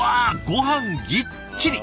ごはんぎっちり！